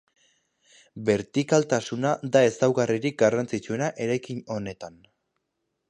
Bertikaltasuna da ezaugarririk garrantzitsuena eraikin honetan.